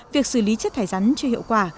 việc xử lý chất thải rắn chưa hiệu quả